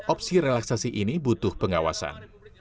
opsi relaksasi ini butuh pengawasan